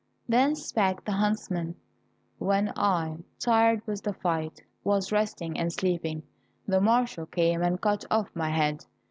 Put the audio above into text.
Then spake the huntsman, "When I, tired with the fight, was resting and sleeping, the marshal came and cut off my head.